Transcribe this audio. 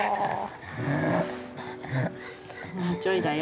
もうちょいだよ。